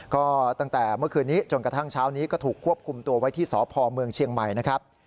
ก็ตั้งแต่เมื่อคืนนี้จนกระทั่งเช้านี้ก็ถูกควบคุมตัวไว้ที่สพเมืองเชียงใหม่นะครับ